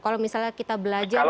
kalau misalnya kita belajar